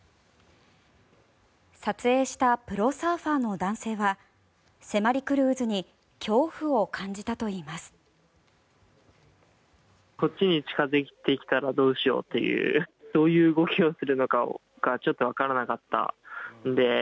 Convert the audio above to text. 撮影したプロサーファーの男性は迫り来る渦に恐怖を感じたといいます。